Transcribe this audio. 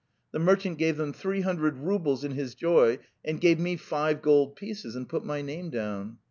The merchant gave them three hundred roubles in his joy, and gave me five gold pieces and put my name down.